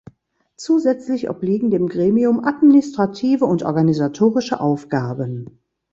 Zusätzlich obliegen dem Gremium administrative und organisatorische Aufgaben.